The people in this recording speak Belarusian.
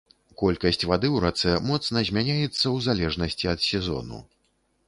Колькасць вады ў рацэ моцна змяняецца ў залежнасці ад сезону.